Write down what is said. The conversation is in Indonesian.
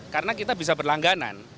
karena kita bisa berlangganan